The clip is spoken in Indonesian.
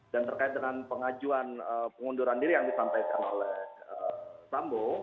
dan terkait dengan pengajuan pengunduran diri yang disampaikan oleh sambo